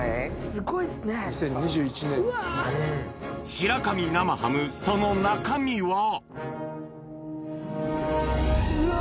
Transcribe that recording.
白神生ハムその中身は？うわ！